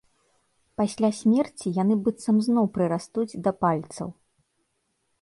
Пасля смерці яны быццам зноў прырастуць да пальцаў.